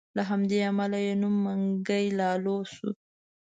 له همدې امله یې نوم منګی لالو شو.